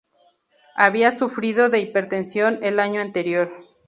Había sufrido de hipertensión el año anterior.